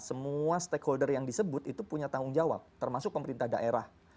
semua stakeholder yang disebut itu punya tanggung jawab termasuk pemerintah daerah